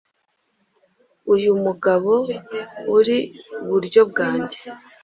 uyu mugabo uri buryo bwange